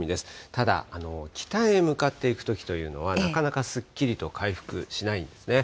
ただ、北へ向かっていくときというのは、なかなかすっきりと回復しないんですね。